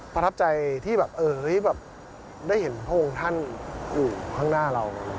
ประทับใจที่แบบได้เห็นพระองค์ท่านอยู่ข้างหน้าเรา